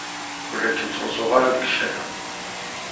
Ur la ken-ttruẓuɣ ara deg ccada.